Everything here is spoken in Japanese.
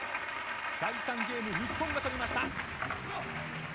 第３ゲーム、日本が取りました。